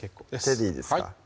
手でいいですか？